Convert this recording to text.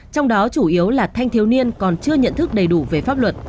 trong đó chủ yếu là thanh thiếu niên còn chưa nhận thức đầy đủ về pháp luật